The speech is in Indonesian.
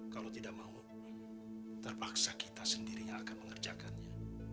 kalau tidak mau terpaksa kita sendiri yang akan mengerjakannya